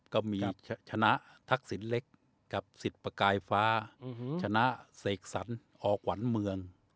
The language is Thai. ก็มีชนะทักษิณเล็กกับสิทธิ์ประกายฟ้าชนะเสกสรรหอขวัญเมือง